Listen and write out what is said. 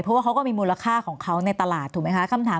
เพราะว่าเขาก็มีมูลค่าของเขาในตลาดถูกไหมคะ